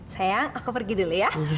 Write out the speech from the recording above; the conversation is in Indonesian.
sayang aku pergi dulu ya